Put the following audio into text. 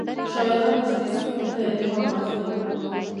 شاعران د شپې سکون ته الهام اخلي.